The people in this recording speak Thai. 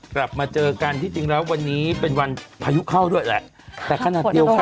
กลับมาเจอกันที่จริงแล้ววันนี้เป็นวันพายุเข้าด้วยแหละแต่ขนาดเดียวกัน